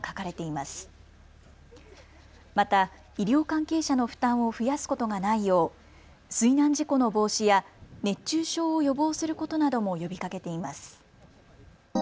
また、医療関係者の負担を増やすことがないよう水難事故の防止や熱中症を予防することなども呼びかけています。